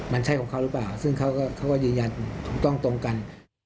มันใช่ของเขาหรือเปล่าซึ่งเขาก็ยืนยันถูกต้องตรงกัน